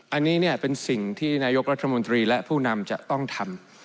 อันนี้เป็นสิ่งที่นายกรัฐมนตรีและผู้นำจะต้องทำ